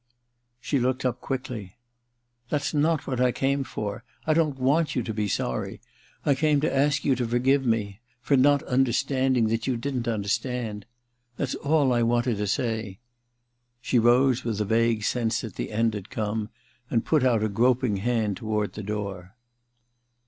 She looked up quickly. ' That's not what I came for. I don't want you to be sorry. I came to ask you to forgive me ... for not understanding that you didn't understand. ... That's all I wanted to say.' She rose with a vague sense that the end had come, and put out a groping hand toward the door.